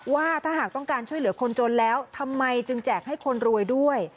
ว่าถ้าหากต้องการช่วยเหลือคนจนแล้วทำไมจึงแจกให้คนรวยด้วย